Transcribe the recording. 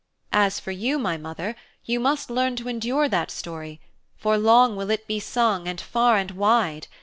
As for you, my mother, you must learn to endure that story, for long will it be sung and far and wide.